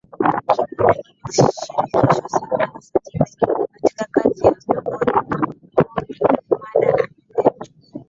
Kidude alishirikishwa sana na wasanii wengine katika kazi zao Miongoni mwao ni Ahmada Amelewa